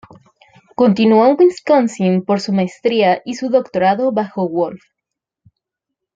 Continuó en Wisconsin por su maestría y su doctorado bajo Wolfe.